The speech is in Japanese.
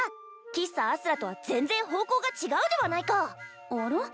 喫茶あすらとは全然方向が違うではないかあら？